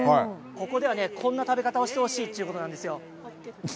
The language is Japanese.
ここではこんな食べ方をしてほしいということなんです。